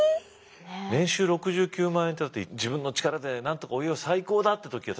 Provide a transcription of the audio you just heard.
年収６９万円って自分の力でなんとかお家を再興だ！って時は確か８０万だよ